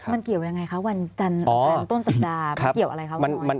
มันเกี่ยวยังไงคะวันจันทร์ต้นสัปดาห์มันเกี่ยวอะไรคะคุณน้อย